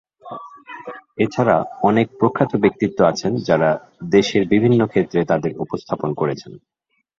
এছাড়া অনেক প্রখ্যাত ব্যক্তিত্ব আছেন যাঁরা দেশের বিভিন্ন ক্ষেত্রে তাদের উপস্থাপন করেছেন।